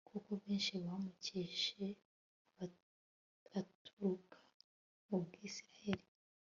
kuko benshi bamukeje baturuka mu Bwisirayeli